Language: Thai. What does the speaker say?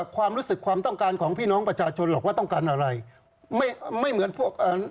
ความรู้สึกความต้องการของพี่น้องประชาชนแล้ว